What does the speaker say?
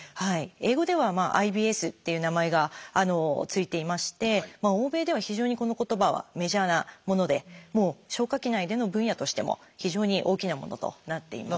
英語では「ＩＢＳ」っていう名前が付いていまして欧米では非常にこの言葉はメジャーなもので消化器内科での分野としても非常に大きなものとなっています。